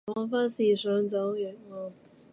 仿佛是想走異路，